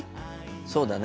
そうだね。